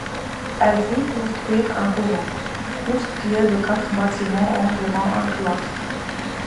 Elles font construire un couvent, constitué de quatre bâtiments entourant un cloître.